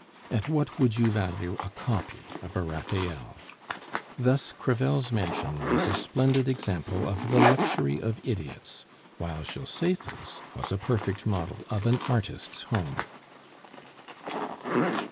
At what would you value a copy of a Raphael? Thus Crevel's mansion was a splendid example of the luxury of idiots, while Josepha's was a perfect model of an artist's home.